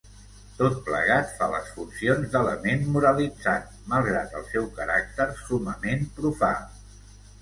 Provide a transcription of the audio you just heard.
Tot plegat fa les funcions d'element moralitzant, malgrat el seu caràcter summament profà.